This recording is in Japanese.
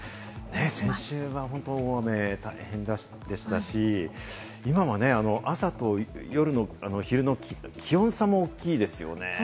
先週は本当に大雨、大変でしたし、今も朝と夜と昼の気温差も大きいですよね。